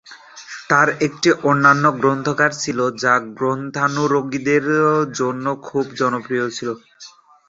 তাঁর একটি অনন্য গ্রন্থাগার ছিল যা গ্রন্থানুরাগীদের মধ্যে খুবই জনপ্রিয় ছিল।